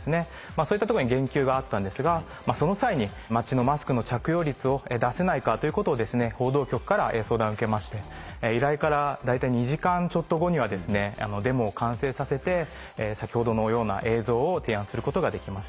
そういったところに言及があったんですがその際に街のマスクの着用率を出せないかということを報道局から相談を受けまして依頼から大体２時間ちょっと後にはデモを完成させて先ほどのような映像を提案することができました。